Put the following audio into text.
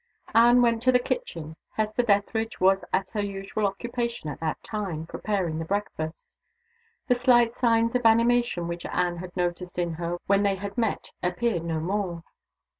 Anne went to the kitchen. Hester Dethridge was at her usual occupation at that time preparing the breakfast. The slight signs of animation which Anne had noticed in her when they last met appeared no more.